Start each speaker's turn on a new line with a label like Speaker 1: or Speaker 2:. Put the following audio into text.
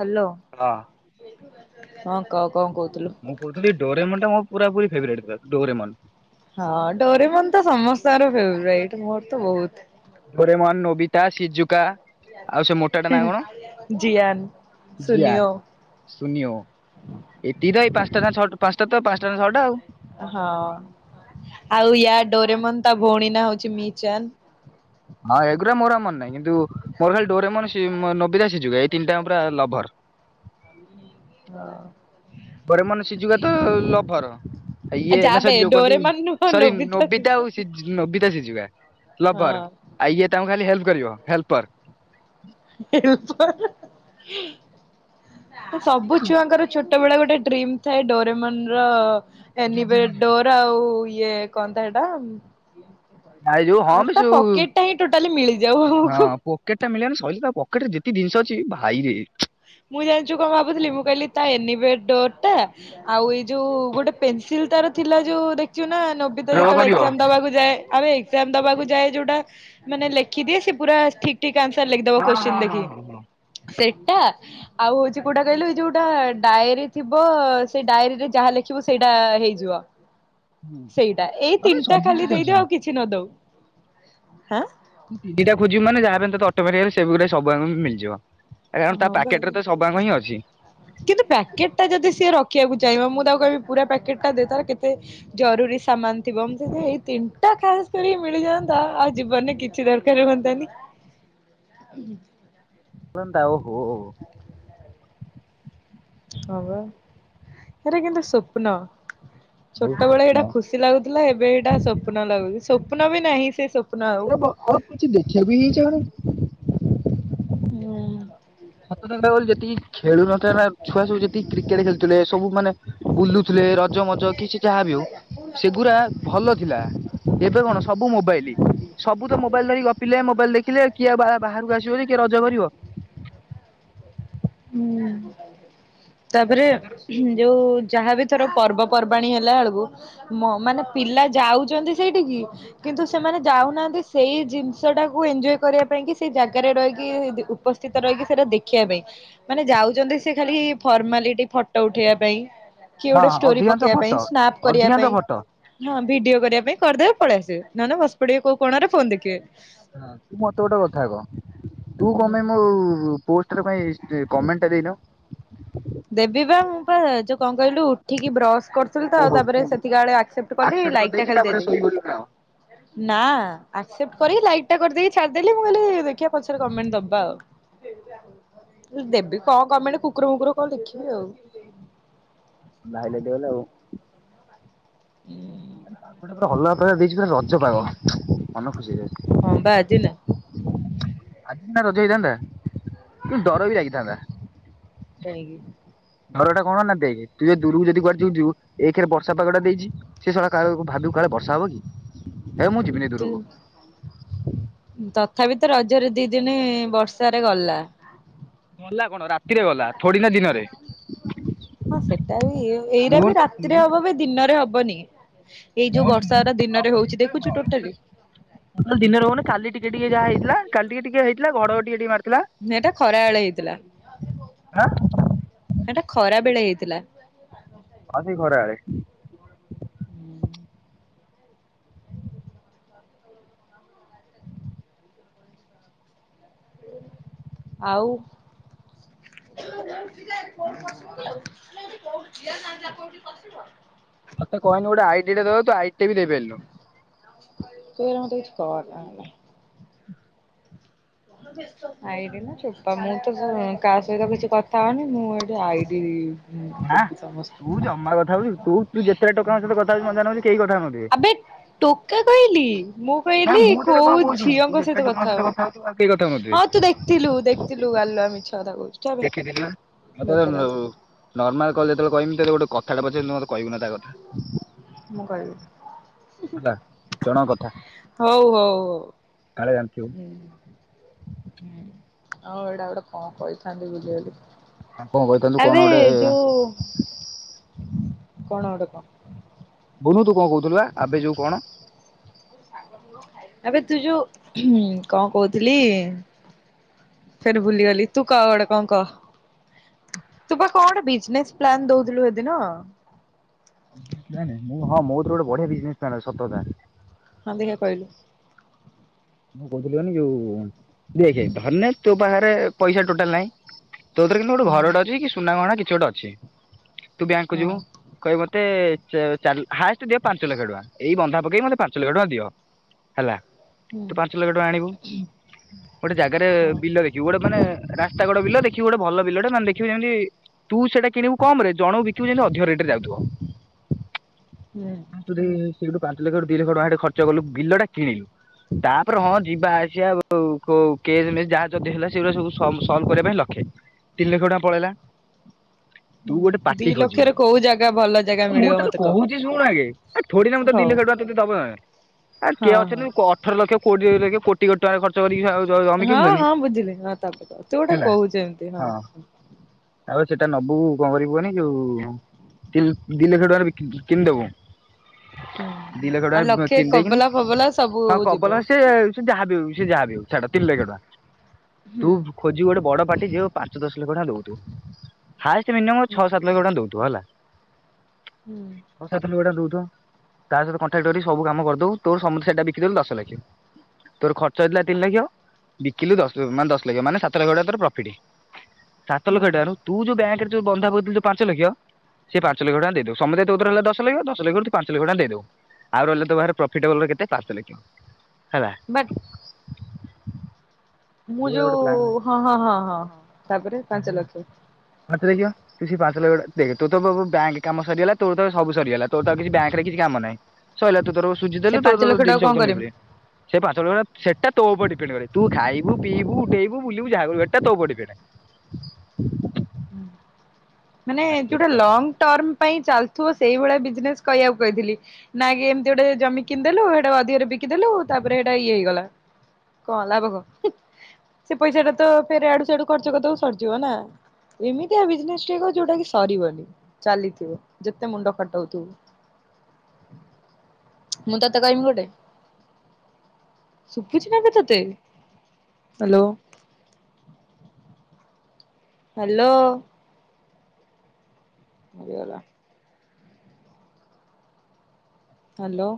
Speaker 1: Hello.
Speaker 2: ହଁ।
Speaker 1: ହଁ କଅ କଁ କୋଉ
Speaker 2: ମୁଁ କୋହୁଥୁଲ ଡୋରେମନ୍ ଟା ମୋର ପୁରା ପୁରି ଫେବେରେଟ୍ ପା ଡୋରେମନ୍
Speaker 1: ହଁ ଡୋରେମନ୍ ତ ସମସ୍ତଙ୍କର ଫେବାଇଟ୍ ମୋର ତ ବୋହୁତ୍
Speaker 2: ଡୋରେମନ୍ ନୋବିତା ସିଜୁକା। ଆଉ ସେ ମୋଟାଟା ନାଁ କଣ
Speaker 1: ଜିଆନ୍
Speaker 2: ଜିଆ
Speaker 1: ସୁନିଓ
Speaker 2: ସୁନିଓ ଏତିକି ତ ଏଇ ପାଁଶଟା ନାଁ ଛଅ ପାଞ୍ଚଟା ତ ପାଞ୍ଚଟା ନା ଛଅଟା ଆଉ।
Speaker 1: ହଁ ଆଉ ୟା ଡୋରେମନ୍ ତା ଭୋଉଣୀ ନାଁ ହୋଉଚି ମିଚାନ୍।
Speaker 2: ହଁ ଏଗୁରା ମୋର ଆଉ ମନେ ନାହିଁ କିନ୍ତୁ ମୋର ଖାଲି ଡୋରେମନ ସି ନୋବିତା ସିଜୁକା ଏଇ ତିନିଟା ଆଙ୍କ ପୁରା ଲଭର।
Speaker 1: ଆ
Speaker 2: ବୋରେମନ୍ ସିଜୁକା ତ ଲଭର। ଆ ଇଏ ନାଁ
Speaker 1: ଯାବେ
Speaker 2: ସରି ଯୋଉ କନ୍ତି
Speaker 1: ଡୋରେମନ୍ ନୁହଁ
Speaker 2: ସରି ନୋବିତା
Speaker 1: ଶିଶୁ
Speaker 2: ଆଉ ସେ ନୋବିତା ଯିଏ ଯିବା
Speaker 1: ହଁ
Speaker 2: ଲଭର ଆ ଇଏ ତାଙ୍କୁ ଖାଲି ହେଲ୍ କରିବ ହେଲ୍ପର
Speaker 1: [unintelligible] ତୁ ସବୁ ଛୁଆଙ୍କର ଛୁ ଟ ବେଳେ ଗୋଟେ ଡ୍ରିମ୍ ଥାଏ ଡୋରେମନର ଏନି ବେ
Speaker 2: ଗ୍ୟାଜେଟ ଆଣିବାକୁ।
Speaker 1: ଡୋର ଆଉ ଇ ଇଏ କନ୍ ତ ହେଟା ଉଁ
Speaker 2: ଆ ଏଇ ଯୋଉ ହଁ ବେ ଯୋଉ
Speaker 1: ଟୋଟାଲି ମିଳିଯାଉ ଆମକୁ।
Speaker 2: ହଁ ପକେଟଟା ମିଳିଗନେ ସଇଜେ ତା କେଟରେ ଯେତି ଦିନିଷ ଅଛି ଭାଇରେ
Speaker 1: ମୁଁ ଜାଣିଚୁ କଁ ଭାବୁଥିଲି ମୁଁ କହିଲି ତା ଏନିବେଡୋରଟା ଆଉ ଏଇ ଯୋଉ ଗୋଟେ ପେନସିଲ ତାର ଥିଲା ଯୋଉ ଦେ ଚୁ ନା ନୋବିତା
Speaker 2: ଡ୍ର
Speaker 1: ଯେତୋଳେ
Speaker 2: କରିବ
Speaker 1: ଏଗ୍ଜାମ ଦବାକୁ ଯାଏ ଆବେ ଏକ୍ଜାମ ଦବାକୁ ଯାଏ ଯୋଉଟା ମାନେ ଲେଖିଦିଏ ସେ ପୁରା ଠିକ୍ ଠିକ୍ କେ ଆନସାର ଲେଖିଦବ
Speaker 2: ହଁ
Speaker 1: କୋଶ୍ଚନ୍
Speaker 2: ହଁ ହଁ ହଁ ହଁ।
Speaker 1: ଦେଖିକି। ସେଇ ଟା ଆଉ ହୋଉଚି କୋଉଟା କହିଲୁ ଏଇ ଯୋଉଟା ଡାଏରୀ ଥିବ ସେଇ ଡାଏରୀରେ ଯାହା ଲେଖିବ ସେଇଟା ହେଇଯିବ।
Speaker 2: ହୁଁ
Speaker 1: ସେଇଟା ଏଇ
Speaker 2: ଆବେ
Speaker 1: ତିନିଟା
Speaker 2: ସବୁ
Speaker 1: ଖାଲି
Speaker 2: କିଛି ଅଛି।
Speaker 1: ଦେଇଦୃ ଆଉ
Speaker 2: ତୁ
Speaker 1: କିଛି ନ ଦଉ। ହାଁ?
Speaker 2: ତୁ ତିନିଟା ଖୋଜିବୁ ମାନେ ଯାହା ବି ହେନେ ତତେ ଅଟୋମେଟିକାଲି ସେବୁରା ସବୁଆଙ୍କ ମିଳିଯିବ। ଆ କାରଣ ତା
Speaker 1: ହଁ ପା
Speaker 2: ପ୍ୟାକେଟରେ ତ ସବୁଆଙ୍କ ହିଁ ଅଛି।
Speaker 1: କିନ୍ତୁ ପ୍ୟାକେଟଟା ଯଦି ସିଏ ରଖିବାକୁ ଚାହିଁବ ମୁଁ ତାକୁ କହିବି ପୁରା ପ୍ୟାକେଟଟା ଦେ ତାହାରେ କେତେ ଜରୁରୀ ସାମାନ ଥିବ। ଉଁ ଦେଦେ ଏଇ ତିନିଟା ଖାସ କରିକି ମିଳିଯାଆନ୍ତା ଆଉ ଜୀବନରେ କିଛି ଦରକାର ହୁଅନ୍ତାନି।
Speaker 2: ଣନ୍ତା ଓହୋ।
Speaker 1: ହଁ ବା ହେରା କିନ୍ତୁ ସ୍ୱପ୍ନ।
Speaker 2: ଆଉ
Speaker 1: ଛୋଟବେଳେ
Speaker 2: ସ୍ୱପ୍ନ।
Speaker 1: ହେଇଟା ଖୁସି ଲାଗୁଥୁଲା ଏବେ ଏଇଟା ସ୍ୱପ୍ନ ଲାଗୁଚି। ସ୍ବ ପ୍ନ ବି ନାହିଁ ସେ ସ୍ବ
Speaker 2: ଏବେ ଆଉ କିଛି ଦେଖିବା ବି ଚାହୁଁନି।
Speaker 1: ହୁଁ
Speaker 2: [inaudible] ମତେ ତାଙ୍କଟା କହିଲେ ଯେତିକି ଖେଳୁନ ତାନା ଛୁଆ ସବୁ ଯେତିକି କ୍ରିକେଟ ଖେଳୁଥୁଲେ। ସବୁ ମାନେ ବୁଲୁଥୁଲେ ରଜ ମଜ କିଛି ଯାହା ବି ହଉ ସେଗୁରା ଭଲ ଥିଲା । ଏବେ କଣ ସବୁ ମୋବାଇଲ ସବୁ ତ ମୋବାଇଲ ଧରିକି ଗପିଲ ମୋବାଇଲ ଦେ ଖିଲେ କିଏ ଆଉ ବାହା ବାହାରୁକୁ ଆସିବ ଯେ କିଏ ରଜ କରିବ?
Speaker 1: ହୁଁ ତାପରେ ଯୋଉ ଯାହା ବି ଥର ପର୍ବପର୍ବାଣୀ ହେଲା ଅଳୁକୁ ମ ମାନେ ପିଲା ଯାଉଚନ୍ତି ସେଇଠିକି କିନ୍ତୁ ସେମାନେ ଯାଉନାହାନ୍ତି ସେଇ ଜିନିଷଟାକୁ ଏଞ୍ଜୟ୍ କରିବା ପାଇଁ କି ସେଇ ଜାଗାରେ ରହିକି ଉ ଉପସ୍ଥିତ ରହିକି ସେଇଟୁ ଦେଖିବା ପାଇଁ। ମାନେ ଯାଉଚନ୍ତି ସିଏ ଖାଲି ଫର୍ମାଲିଟି ଫଟ ଉଠେଇବା ପାଇଁ। କିଏ
Speaker 2: ହଁ
Speaker 1: ଗୋଟେ ଷ୍ଟୋରି
Speaker 2: ଅଧିକାଂଶ
Speaker 1: ପକେଇବା
Speaker 2: ଫଟୋ
Speaker 1: ପାଇଁ ସ୍ନାପ କରିବା
Speaker 2: ଅଧିକାଂଶ
Speaker 1: ପାଇଁ।
Speaker 2: ଫଟୋ।
Speaker 1: ହଁ ଭିଡିଓ କରିବା ପାଇଁ କରିଦେବେ ପଳିଆସିବେ। ନହେନେ ବସି ପଡ଼ିବେ କୋଉ କଣରେ ଫୋନ ଦେଖିଏ।
Speaker 2: ହଁ ତୁ ମତେ ଗୋଟେ କଥା କହ ତୁ
Speaker 1: ହୁଁ।
Speaker 2: କମାଇଁ ମୋ ପୋ ତେତୁ କାଇଁ ଷ୍ଟେ କମେଣ୍ଟଟା ଦେଇନୁ?
Speaker 1: ଦେବି ବା ମୁଁ ପା ଯୋଉ କଣ କହିଲୁ ଉଠିକି ବ୍ରସ୍ କରୁଥିଲି ତ‌ ଆଉ ତାପରେ
Speaker 2: ଓହୋ
Speaker 1: ସେତିକାଳେ ଆକ୍ସେପ୍ଟ କଲି ଲାଇକଟା
Speaker 2: କରିଦେଇକି
Speaker 1: ଖାଲି
Speaker 2: ତାପରେ
Speaker 1: ଦେଖାଦେଇଛି।
Speaker 2: ଶୋଇଗଲୁ ନା କଣ
Speaker 1: ନାଁ ଆ ସେପରି ଲାଇକଟା କରିଦେଇକି ଛାଡ଼ିଦେଲି ମୁଁ କହି ଲିି କିଆ ପଛରେ କମେଣ୍ଟ ଦବା ଆଉ। [unintelligible] ଦେବି କଣ କମେଟ କୁକୁର ମୁୁକୁର। କଣ ଦେଖିବି ଆଉ।
Speaker 2: ଭାଇଲାଇଟ ହେଇଗଲି ଆଉ।
Speaker 1: ହୁଁ।
Speaker 2: ଆଜି ପାଗ ଟା ପୁରା ଅଲଗା ପ୍ରକାର ଦେଇଛି। ଏଇଟା ରଜପାଗ। ମନ ଖୁସି ହେଇ ଯାଇଛି।
Speaker 1: ହଁ ବା ଆଜି ନ।
Speaker 2: ଆଜି ସିନା ରଜ ହେଇଥାନ୍ତା କିନ୍ତୁ ଡର ବି ଲାଗିଥାନ୍ତା।
Speaker 1: କାହିଁକି?
Speaker 2: ଘର ଟା କଣ ନା ଦେଖ ତୁ ଯ ଦୂରକୁ ଯଦି କୁଆଡେ ଯିବୁ ଯିବୁ ଏକରେ ବର୍ଷା ପାଗଟା ଦେଇଛି ସେ ଶଳା କାହାକୁ ଭାବିବ କାଳେ ବର୍ଷା ହବ କି? ଏ ମୁଁ ଯିବିନି
Speaker 1: ତୁ
Speaker 2: ଦୂରକୁ।
Speaker 1: ତଥାପି ତ ରଜରେ ଦି ଦିନି ବର୍ଷାରେ ଗଲା।
Speaker 2: ମଲା କଣ ରା
Speaker 1: ହଁ ସେଟା ବି ଏଇଟା
Speaker 2: ମୋର
Speaker 1: ବି
Speaker 2: ତ
Speaker 1: ରାତିରେ
Speaker 2: ମୋର
Speaker 1: ହବ ବା ଦିନରେ ହବନି। ଏଇ ଯୋଉ ବର୍ଷା ଗୁରା ଦିନରେ ହଉଛି ଦେଖୁଛୁ ଟୋଟାଲି।
Speaker 2: ଦିନରେ ରହୁନି କାଲି ଟିକେ ଟିକେ ଯାହା ହେଇଥିଲା କାଲି ଟିକେ ଟିକେ ହେଇ ଏ ଘଡ ଘଡି ଟିକେ ମାରିଥିଲା।
Speaker 1: ଏଇଟା ଖରା ବେଳେ ହେଇଥିଲା
Speaker 2: ଆଁ
Speaker 1: ସେଟା ଖରା ବେଳେ ହେଇ ଥିଲା।
Speaker 2: ହଁ ସେ ଖରା ବେଳେ।
Speaker 1: ଆଉ।
Speaker 2: ଆଉ କଣ?
Speaker 1: [inaudible]
Speaker 2: ମତେ କହିନୁ ଗୋଟେ ଆଇଟିରେ ଦେବାକୁ ତୁ ଆଇ ଟିରେ ବି ଦେଇପାରଲି
Speaker 1: ତଳଟା ହେଲା। ଆଇଡି ନା ଚୋପା ମୁଁ ତ କାହା ସହିତ କିଛି କଥା ହଉନି। ମୁଁ ଏଠି ଆଇଡି
Speaker 2: ନା
Speaker 1: ଦେବି
Speaker 2: ତୁ ଜମା କଥା ହଉଛୁ ତୁ ତୁ ଯେତେଟା ଟୋକା ଙ୍କ ସହିତ କଥା ହଉଛୁ ମତେ ଲାଗୁଛି କେହି କଥା ହଉନଥିବେ।
Speaker 1: ସମସ୍ତ ଆବେ ଟୋକା କହିଲି। ମୁଁ
Speaker 2: ନା
Speaker 1: କହିଲି
Speaker 2: ମୁଁ ତତେ
Speaker 1: କୋଉ
Speaker 2: କଣ କହୁଛି ଶୁଣୁ ତୁ
Speaker 1: ଝିଅଙ୍କ
Speaker 2: ଯେତେଟା
Speaker 1: ସହିତ
Speaker 2: ଟୋକା ଙ୍କ
Speaker 1: କଥା ହଉ
Speaker 2: ହଉଛୁ ଆଉ କେହି କଥା ହଉନଥିବେ।
Speaker 1: ହଁ ତୁ ଦେଖଥିଲୁ, ଦେଖଥିଲୁ ଗାଲୁଆ ମିଛ କଥା କହୁଚୁ। ଯାବେ
Speaker 2: ଦେଖିଥିଲା ମୁଁ ତତେ
Speaker 1: ବେକାରିଆ କଥା
Speaker 2: ନର୍ମାଲ କଲ୍ ରେ ଯେତେବେଳେ କହିବି ତତେ ମୁଁ ଗୋଟେ କଥାଟେ ପଚାରିବି କହିବୁ ନା ତା କଥା ।
Speaker 1: ମୁଁ କହିବିନି। ହୁ ହୁ
Speaker 2: ହେଲା। ଜଣଙ୍କ କଥା
Speaker 1: ହଉ ହଉ ହଉ ହୁଁ
Speaker 2: କାଳେ ଜାଣିଥିବୁ
Speaker 1: ହୁଁ। ହଉ ଏଇଟା ଗୋଟେ କଣ କହିଥାନ୍ତି ବୁଲିଗଲି।
Speaker 2: ଆଉ କଣ କହିଥାନ୍ତୁ କଣ ଗୋଟେ
Speaker 1: କଣ ଗୋଟେ କଣ?
Speaker 2: ବୁନୁ ତୁ କଣ କହୁଥିଲା ଆବେ ଯଉ କଣ?
Speaker 1: ଏବେ ତୁ ଯଉ, କଣ କହୁଥିଲି ସରି ଭୁଲିଗଲି। ତୁ କ ଗୋଟେ କଣ କହ। ତୁ ପା କଣ ଗଟେ ବିଜନେସ ପ୍ଲାନ ଦଉଥିଲୁ ହେଦିନ।
Speaker 2: ମୁଁ ହଁ ମୋ ତ ଗୋଟେ ବଢିଆ ବିଜନେସ ପ୍ଲାନ୍ ଅଛି। ସତକଥା ।
Speaker 1: ହଁ ଦେଖିଆ କହିଲୁ?
Speaker 2: ମୁଁ କହୁଥିଲି ମାନେ ଏ ଯଉ, ଦେଖେ ଧରିନେ ତୋ ପାଖରେ ପଇସା ଟୋଟାଲ ନାଇଁ। ତୋଥିରେ କିନ୍ତୁ ଗୋଟେ
Speaker 1: ହୁଁ
Speaker 2: ଘରଟେ ଅଛି ସୁନା ଗହଣା କି ଛି ଗୋଟେ ଅଛି। ତୁ ବ୍ୟାଙ୍କ କୁ
Speaker 1: ହଁ
Speaker 2: ଯିବୁ। କହିବୁ ମତେ ସେ ଚାର ହାଏଷ୍ଟ ଦିଅ ପାଞ୍ଚ ଲକ୍ଷ ଟଙ୍କା। ଏଇ ବନ୍ଧା ପକେଇ ମତେ ପାଞ୍ଚ ଲକ୍ଷ ଟଙ୍କା ଦିଅ ହେଲା।
Speaker 1: ହୁଁ
Speaker 2: ତୁ ପାଞ୍ଚ ଲକ୍ଷ ଟଙ୍କା ଆଣିବୁ। ଗୋଟେ ଜାଗାରେ
Speaker 1: ହଁ
Speaker 2: ବିଲ ଦେଖିବୁ। ଗୋଟେ ମାନେ ରାସ୍ତା କଡ ବିଲ ଦେଖିବୁ, ଗୋଟେ ଭଲ ବିଲଟା, ନହେଲେ ଦେଖିବୁ ଯେମିତି ତୁ ସେଟା କିଣିବୁ କମ ରେ ଜଣକୁ ବିକିବୁ ଯେମିତି ଅଧିକ ରେଟ ରେ ଯାଉଥିବ। [inaudible]
Speaker 1: ହୁଁ।
Speaker 2: ସେଠୁ ପାଞ୍ଚ ଲକ୍ଷରୁ ଦିଲକ୍ଷ ଟଙ୍କା ଖର୍ଚ୍ଚ କଲୁ ବିଲ ଟା କିଣିଲୁ। ତାପରେ ହଁ ଯିବା। [unintelligible] କଉ କେସ ମେସ ଯାହା ଯଦି ହେଲା, ସେଗୁଡା ସବୁ ସଲ ସଲଭ କରିବା ପାଇଁ ଲକ୍ଷେ। ତିନି ଲକ୍ଷ ଟଙ୍କା ପଳେଇଲା। ତୁ ଗୋଟେ
Speaker 1: ଦି
Speaker 2: ପାଟି ଖୋଜିବୁ।
Speaker 1: ଲକ୍ଷରେ କୋଉ ଜାଗା ଭଲ ଜାଗା
Speaker 2: ତ ମୁଁ
Speaker 1: ମିଳିବ
Speaker 2: ତତେ
Speaker 1: ମତେ କହ
Speaker 2: କହୁଚି, ଶୁଣୁ ଆଗେ ଥୋଡୀ ନା ମୁଁ ତତେ ଦି
Speaker 1: ହଉ।
Speaker 2: ଲକ୍ଷ ଟଙ୍କା ତତେ ଦବ ଆ କିଏ
Speaker 1: ହଁ ହଁ
Speaker 2: ଅଛନ୍ତି କ ଲକ୍ଷ କୋଡିଏରେ ଦେଇକି କୋଟି କୋଟି ଟଙ୍କା ଖର୍ଚ କରିକି ଆଉ
Speaker 1: ହଁ ହଁ, ବୁଝିଲି। ହଁ ତାପରେ କ। ତୁ ଗୋଟେ
Speaker 2: ହେଲା
Speaker 1: କହୁଚୁ। ଏମତି ହଁ।
Speaker 2: ଆଉ ସେଇଟା ନବୁ କଣ କରିବୁ କହନି ଯଉ ତି ଦି ଲକ୍ଷ ଟଙ୍କାରେ ବିକି କିଣିଦେବୁ।
Speaker 1: ହୁଁ ଆଉ ଲକ୍ଷେ
Speaker 2: ଦେଇକିନି
Speaker 1: କବଲା ଫବଲା ସବୁ
Speaker 2: ହଁ
Speaker 1: ଯିବ
Speaker 2: କବଲା ସିଏ ଯାହା ବି ହୋଉ ସେ ଯାହା ବି ହୋଉ ଛାଡ ତିନି ଲକ୍ଷ ଟଙ୍କା
Speaker 1: ହୁଁ।
Speaker 2: ତୁ ଖୋଜିବୁ ଗୋଟେ ବଡ ପାଟି ଯଉ ପାଞ୍ଚ ଦଶ ଲକ୍ଷ ଟଙ୍କା ନଉ ତୁ ହାଏଷ୍ଟେ ମିନିମମ
Speaker 1: ହୁଁ
Speaker 2: ଛଅ ସାତ ଲକ୍ଷ ଗୋଟା ଦୋଉଥିବ ହେଲା।
Speaker 1: ହୁଁ
Speaker 2: ଛଅ ସାତ [unintelligible] ତା ସହିତ କଣ୍ଟାଟ ସବୁ କାମ କରିଦବୁ। ତୋର ସମସ୍ୟା ଟା ବି ବିକିଦେଥିଲୁ ଦଶ ଲକ୍ଷ ତୋର ଖର୍ଚ୍ଚ ହେଇଥିଲା ତିନି ଲକ୍ଷ ବିକିଲୁ ମାନେ ଦଶ ଲକ୍ଷ ମାନେ ସାତ ଲକ୍ଷ ଟଙ୍କା ତୋର ପ୍ରଫିଟି। ସାତ
Speaker 1: ହୁଁ
Speaker 2: ଲକ୍ଷ ଟାରୁ ତୁ ଯୋଉ ବ୍ୟାଙ୍କରେ ଯୋଉ ବନ୍ଧାଥିଲା ଯୋଉ ପାଞ୍ଚ ଲକ୍ଷ ସେ ପାଞ୍ଚ ଲକ୍ଷ ଟା ଦେଇଦବୁ ସମୁଦାୟ ତୋ କତିରେ ରହିଲା ଦଶ ଲକ୍ଷ ଦଶ ଲକ୍ଷରୁ ପାଞ୍ଚ ଲକ୍ଷ ଟା ଦେଇଦବୁ ଆଉ ରହିଲା ତୋ ପାଖରେ ପ୍ରଫିଟି ବଳିଲା କେତେ ପାଞ୍ଚ ଲକ୍ଷ।। [inaudible]
Speaker 1: ବାଟ ମୁଁ
Speaker 2: ଏଇଭଳିଆ ଗୋଟେ ପ୍ଲାନ୍
Speaker 1: ଯୋଉଁ ହଁ ହଁ ହଁ ହଁ ହଁ ତାପରେ ପାଞ୍ଚ ଲକ୍ଷ
Speaker 2: ପା ତୁ ପା ଦେଖିବା ତୁ ତ ବ୳୲ଙ୍କ କାମ ସରିଗଲା। ତୋ ତ ସବୁ ସରିଗଲା ତୋ ତ କିଛି ବ୳୲ଙ୍କରେ କିଛି କାମ ନାହିଁ। ସଇଲା ତୁ ତୋର ସୁଜି
Speaker 1: ସେ
Speaker 2: ଦେଲୁ ତ
Speaker 1: ପାଞ୍ଚ
Speaker 2: ତୋର
Speaker 1: ଲକ୍ଷ ଟାକୁ
Speaker 2: ଜିନିସ
Speaker 1: କଣ
Speaker 2: ଦିନିଷ
Speaker 1: କରିମି?
Speaker 2: ଳେଇଗଲେ ସେ ପାଞ୍ଚ ସେଟା ତୋ ଉପରେ ଡିପେଣ୍ଡ କରେ। ତୁ ଖାଇବୁ ପିଇବୁ ଉଠେଇବୁ ବୁଲିବୁ ଯାହା କରିବୁ ସେଟା ତୋ ଉପରେ ଡିପେଣ୍ଡ
Speaker 1: ମାନେ ଯୋଉଟା
Speaker 2: ସେଟା
Speaker 1: ଲଙ୍ଗ ଟର୍ମ ପାଇଁ ଚାଲୁଥିବ ସେଇ ଭଳିଆ ବିଜନେସ କହିବାକୁ କହିଥିଲି। ନା କି ଏମିତି ଗୋଟେ ଜମି କିଣିଦେଲୁ ସେଟା ଅଧିକରେ ବିକିଦେଲୁ ତାପରେ ସେଟା ଇଏ ହେଇଗଲା। କଣ ହେ ଲାଭ କ ସେ ପଇସା ଟା ତ ଫେରେ ଆଡୁ ସେ ଆଡୁ ଖର୍ଚ୍ଚ କରିଦବୁ ସରିଯିବ ନା ଏମିତିଆ ବିଜନେସ ଯୋଉଟା କି ସରିବନି ଚାଲିଥିବ ଯେତେ ମୁଣ୍ଡ ଖଟାଉଥିବୁ। [inaudible] ମୁଁ ତତେ କହିବି ଗୋଟେ [inaudible] ଶୁବୁଛି ନା କେ ତତେ ହ୍ୟାଲୋ [inaudible] ହ୍ୟାଲୋ ମରିଗଲା ହାଲୋ